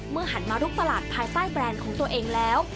หันมาลุกตลาดภายใต้แบรนด์ของตัวเองแล้ว